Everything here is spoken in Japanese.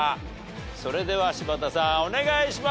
それでは柴田さんお願いします。